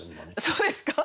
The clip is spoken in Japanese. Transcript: そうですか？